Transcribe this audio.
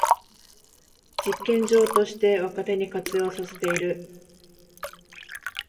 実験場として若手に活用させている